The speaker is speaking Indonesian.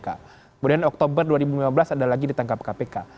kemudian oktober dua ribu lima belas ada lagi ditangkap kpk